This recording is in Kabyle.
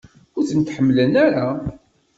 Ur ten-ḥemmlen ara?